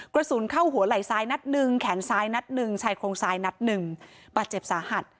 กระสุนเข้าหัวไหล่ซ้ายนัดหนึ่งแขนซ้ายนัดหนึ่งชายโครงซ้ายนัดหนึ่งบาดเจ็บสาหัส